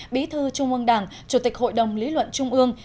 bí thư trung ương đảng chủ tịch hội đồng lý luận trung ương